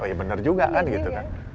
ya benar juga kan gitu kan